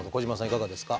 いかがですか？